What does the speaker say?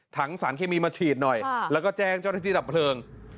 สารเคมีมาฉีดหน่อยแล้วก็แจ้งเจ้าหน้าที่ดับเพลิง